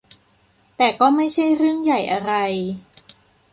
แต่ก็ไม่ใช่เรื่องใหญ่อะไร